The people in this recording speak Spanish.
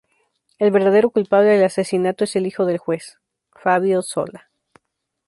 El verdadero culpable del asesinato es el hijo del juez, Fabio Sola.